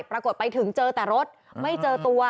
ปรากฏไปถึงเจอแต่รถไม่เจอตัว